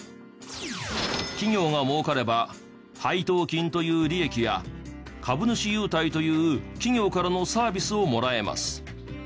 企業が儲かれば配当金という利益や株主優待という企業からのサービスをもらえます。